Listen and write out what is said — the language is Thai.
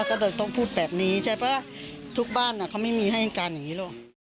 ก็เลยต้องพูดแบบนี้ใช่ปะทุกบ้านเขาไม่มีให้การอย่างนี้หรอก